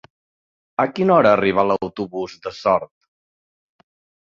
A quina hora arriba l'autobús de Sort?